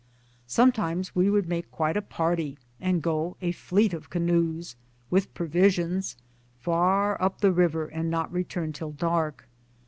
Sometimes we would make quite a party and go, a fleet of canoes, with pro visions, far up the river and not return till dark.